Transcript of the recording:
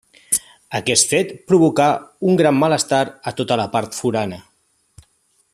Aquest fet provocà un gran malestar a tota la part forana.